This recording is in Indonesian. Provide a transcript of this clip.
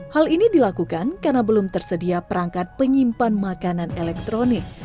hal ini dilakukan karena belum tersedia perangkat penyimpan makanan elektronik